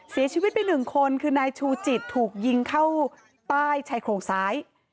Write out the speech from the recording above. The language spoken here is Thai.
เสียชีวิตไปหนึ่งคนคือนายชูจิตถูกยิงเข้าใต้ชายโครงซ้าย